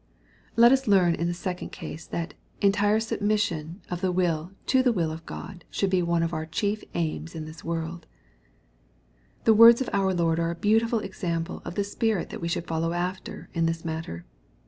Let us learn, in the second place, that/^^Ve submission of tm'll to the will of God should be one of our chief aims m this world,^ The words of our Lord are a beautiful example of the spirit that we should follow after in this matter.